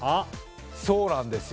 そうなんですよ